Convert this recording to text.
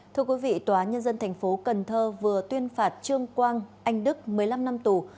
thưa quý vị tòa nhân dân thành phố cần thơ vừa tuyên phạt trương quang anh đức một mươi năm năm tù